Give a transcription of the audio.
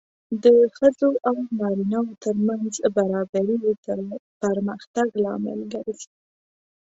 د ښځو او نارینه وو ترمنځ برابري د پرمختګ لامل ګرځي.